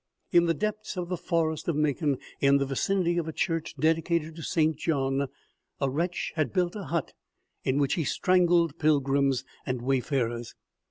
In the depths of the forest of Macon, in the vicinity of a church dedicated to St. John, a wretch had built a hut in which he strangled pilgrims and wayfarers.